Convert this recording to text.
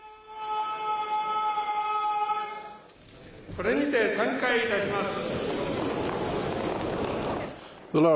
これにて散会いたします。